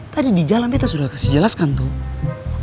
tadi di jalan kita sudah kasih jelaskan tuh